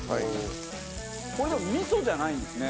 これでもみそじゃないんですね。